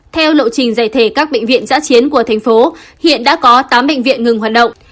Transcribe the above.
theo lộ trình giải thể các bệnh viện giã chiến của thành phố hiện đã có tám bệnh viện ngừng hoạt động